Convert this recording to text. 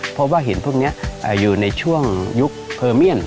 เพราะว่าหินพวกนี้อยู่ในช่วงยุคเพอร์เมียน